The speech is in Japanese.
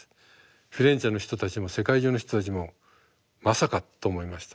フィレンツェの人たちも世界中の人たちもまさかと思いました。